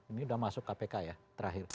ini sudah masuk kpk ya terakhir